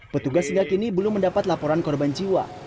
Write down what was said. petugas sejak ini belum mendapat laporan korban jiwa